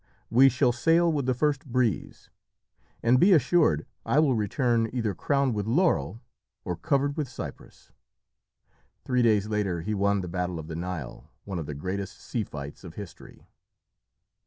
We shall sail with the first breeze; and be assured I will return either crowned with laurel or covered with cypress." Three days later, he won the Battle of the Nile, one of the greatest sea fights of history.